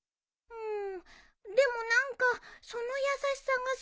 うん。